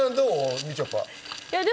みちょぱ。